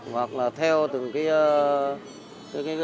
hoặc là theo từng cái